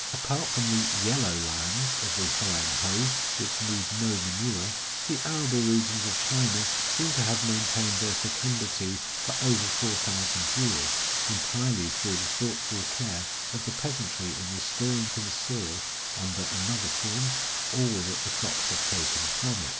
Apart from the "Yellow Lands" of the Hoang ho, which need no manure, the arable 175 A TYPICAL RECEPTION IN A CHINESE TOWN. regions of China seem to have maintained their fecundity for over four thousand years, entirely through the thoughtful care of the peasantry in restoring to the soil, under another form, all that the crops have taken from it.